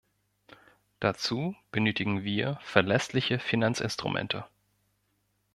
Dazu benötigen wir verlässliche Finanzinstrumente.